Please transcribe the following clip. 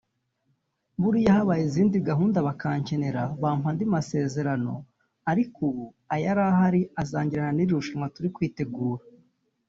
Buriya habaye izindi gahunda bakankenera bampa andi masezerano ariko ubu ayahari azarangirana n’iri rushanwa turi kwitegura”